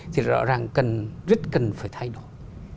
thì rõ ràng rất cần phải thay đổi